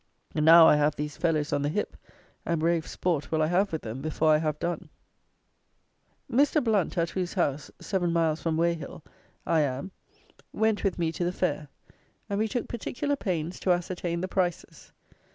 Now, I have these fellows on the hip; and brave sport will I have with them before I have done. Mr. Blount, at whose house (7 miles from Weyhill) I am, went with me to the fair; and we took particular pains to ascertain the prices.